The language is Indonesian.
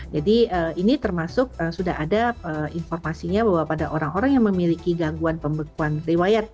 jadi ini termasuk sudah ada informasinya bahwa pada orang orang yang memiliki gangguan pembekuan riwayat